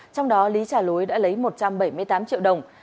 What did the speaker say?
trong đó lý trả lối đã lấy một trăm bảy mươi tám triệu đồng